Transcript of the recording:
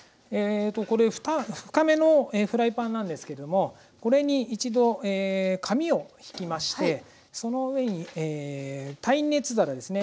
これ深めのフライパンなんですけどもこれに一度紙をひきましてその上に耐熱皿ですね。